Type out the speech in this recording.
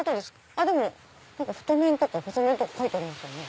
あっ太麺とか細麺とか書いてありますよね。